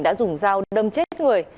đã dùng dao đâm chết người